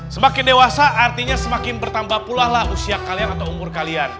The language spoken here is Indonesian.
semakin dewasa artinya semakin bertambah pula lah usia kalian atau umur kalian